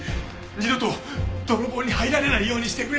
二度と泥棒に入られないようにしてくれ。